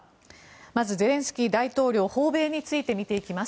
まずゼレンスキー大統領訪米について見ていきます。